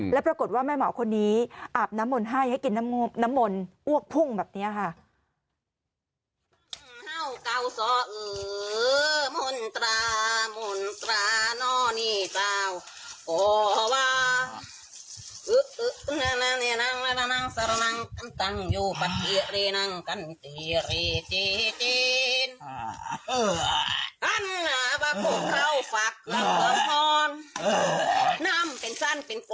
แล้วปรากฏว่าแม่หมอคนนี้อาบน้ำมนต์ให้ให้กินน้ำมนต์อ้วกพุ่งแบบนี้ค่ะ